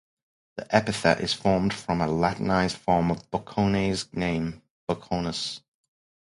This epithet is formed from a latinized form of Boccone's name: "Bocconus".